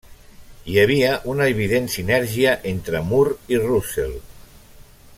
Hi havia una evident sinergia entre Moore i Russell.